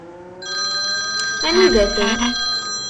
Anida-ten?